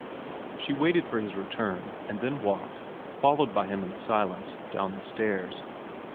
She waited for his return, and then walked, followed by him in silence, down the stairs.